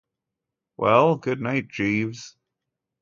Well, good night, Jeeves.